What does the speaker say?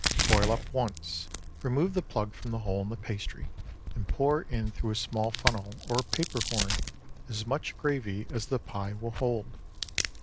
Boil up once, remove the plug from the hole in the pastry, and pour in through a small funnel, or a paper horn, as much gravy as the pie will hold.